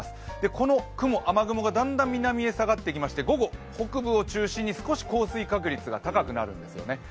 この雨雲がだんだん南へ下がってきまして午後北部を中心に少し降水確率が高くなるんですよね。